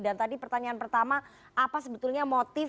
dan tadi pertanyaan pertama apa sebetulnya moralnya